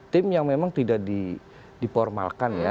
tim yang memang tidak diformalkan ya